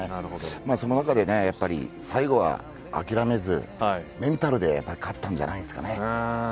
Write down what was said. その中で最後は諦めずメンタルで勝ったんじゃないですかね。